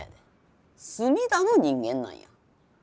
角田の人間なんや。